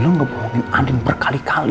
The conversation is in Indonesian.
lo ngebohongin andi berkali kali